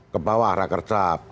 kebawah rakyat kerja